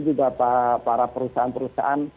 juga para perusahaan perusahaan